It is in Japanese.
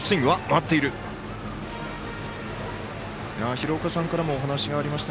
廣岡さんからもお話がありました